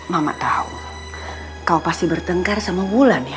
mama tahu kau pasti bertengkar sama bulan ya